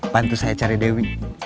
bantu saya cari dewi